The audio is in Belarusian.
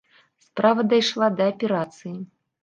Справа дайшла да аперацыі.